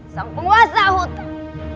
sang penguasa hutan